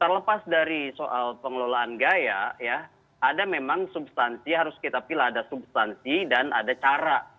terlepas dari soal pengelolaan gaya ya ada memang substansi harus kita pilih ada substansi dan ada cara